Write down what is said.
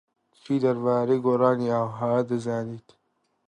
چی دەربارەی گۆڕانی ئاووهەوا دەزانیت؟